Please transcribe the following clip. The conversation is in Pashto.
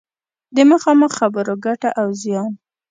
د مخامخ خبرو ګټه او زیان